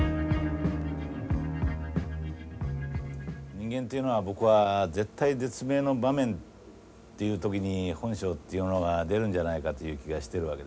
人間っていうのは僕は絶体絶命の場面っていう時に本性っていうものが出るんじゃないかという気がしてるわけです。